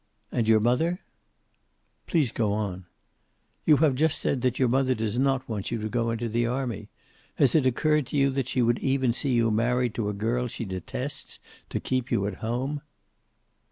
"And your mother?" "Please go on." "You have just said that your mother does not want you to go into the army. Has it occurred to you she would even see you married to a girl she detests, to keep you at home?"